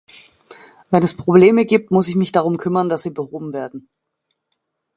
Wenn es Probleme gibt, muss ich mich darum kümmern, dass sie behoben werden.